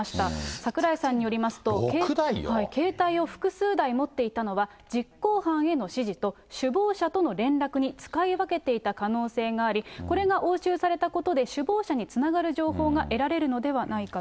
櫻井さんによりますと、携帯を複数台持っていたのは、実行犯への指示と、首謀者への連絡に使い分けていた可能性があり、これが押収されたことで、首謀者につながる情報が得られるのではないかと。